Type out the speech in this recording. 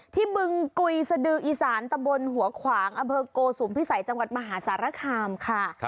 บึงกุยสดืออีสานตำบลหัวขวางอำเภอโกสุมพิสัยจังหวัดมหาสารคามค่ะ